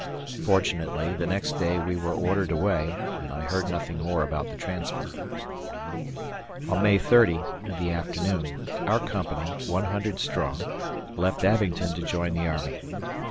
Fortunately the next day we were ordered away, and I heard nothing more about the transfer. On May 30, in the afternoon, our company one hundred strong left Abingdon to join the army.